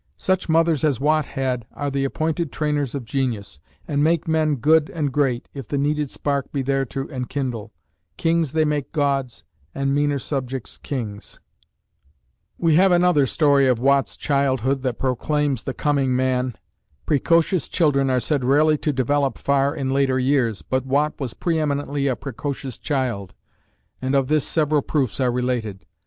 Such mothers as Watt had are the appointed trainers of genius, and make men good and great, if the needed spark be there to enkindle: "Kings they make gods, and meaner subjects kings." We have another story of Watt's childhood that proclaims the coming man. Precocious children are said rarely to develop far in later years, but Watt was pre eminently a precocious child, and of this several proofs are related.